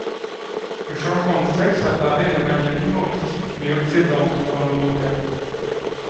Le changement de sexe apparaît de manière humoristique mais obsédante dans le manga.